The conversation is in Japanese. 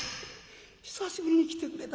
久しぶりに来てくれた。